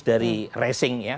dari racing ya